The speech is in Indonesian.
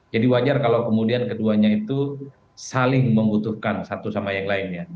jadi wajar kalau kemudian keduanya itu saling membutuhkan satu sama yang lain ya